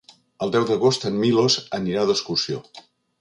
El deu d'agost en Milos anirà d'excursió.